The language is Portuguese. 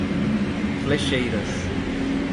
Flexeiras